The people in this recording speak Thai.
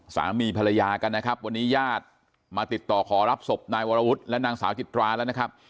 สามีภรรยากันนะครับวันนี้ญาติมาติดต่อขอรับศพนายวรวุฒิและนางสาวจิตราแล้วนะครับ